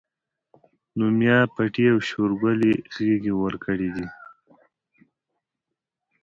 نو ميا پټي او شورګلې غېږې ورکړي دي